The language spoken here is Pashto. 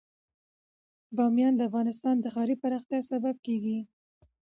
بامیان د افغانستان د ښاري پراختیا سبب کېږي.